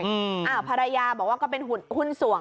พ่อบอกว่าจริงแล้วก็เป็นยาดกันด้วย